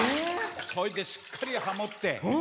それで、しっかりハモって。